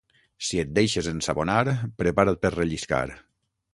Si et deixes ensabonar, prepara't per relliscar.